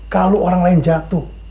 kalau orang lain jatuh